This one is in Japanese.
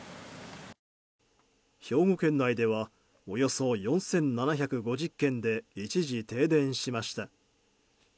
兵庫県内ではおよそ４７５０軒で一時停電しました。